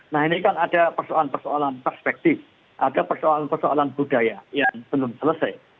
nah ini kan ada persoalan persoalan perspektif ada persoalan persoalan budaya yang belum selesai